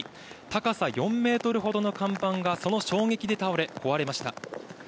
高さ４メートルほどの看板がその衝撃で倒れ、壊れました。